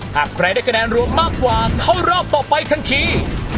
หากใครได้คะแนนรวมมากกว่าเข้ารอบต่อไปทันที